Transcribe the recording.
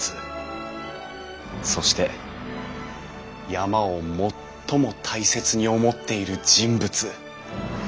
そして山を最も大切に思っている人物。